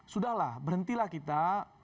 sudahlah berhentilah kita